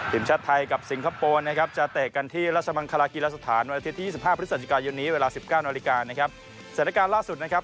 ทีมชัดไทยกับสงครุฯนนะครับเจอได้กันที่ราชมัณฐ์ฮรากิรสภาษณ์ที่๒๕ประถมสัญญนี้เวลา๑๙นนะครับ